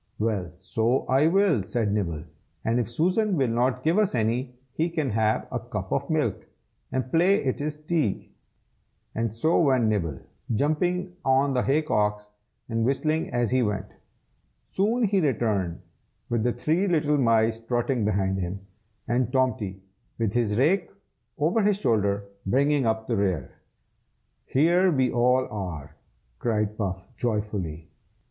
"Well, so I will!" said Nibble. "And if Susan will not give us any, he can have a cup of milk, and play it is tea." So away went Nibble, jumping on the hay cocks, and whistling as he went. Soon he returned, with the three little mice trotting behind him, and Tomty, with his rake over his shoulder, bringing up the rear. "Here we all are!" cried Puff, joyfully.